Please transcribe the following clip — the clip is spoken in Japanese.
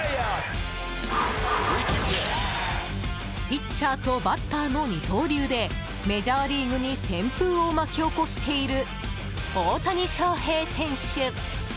ピッチャーとバッターの二刀流でメジャーリーグに、旋風を巻き起こしている大谷翔平選手。